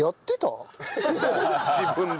自分で。